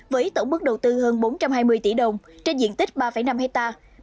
với tổng mức đầu tư hơn bốn trăm hai mươi tỷ đồng trên diện tích ba năm hectare